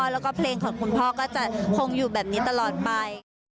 แล้วก็เพลงของคุณพ่อก็จะคงอยู่แบบนี้ตลอดไป